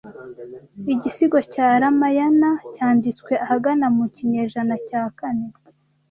Igisigo cya Ramayana cyanditswe ahagana mu kinyejana cya kane